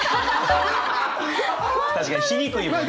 確かにしにくいもんね。